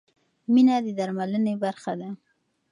مینه د درملنې برخه ده.